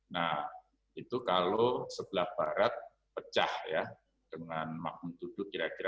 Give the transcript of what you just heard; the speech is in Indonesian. nah itu kalau sebelah barat pecah ya dengan makmum tuduh kira kira delapan tujuh